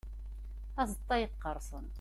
Azeṭṭa yeqqerṣen.